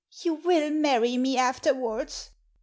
" You will marry me afterwards